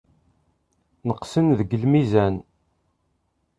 Neqsen deg lmizan.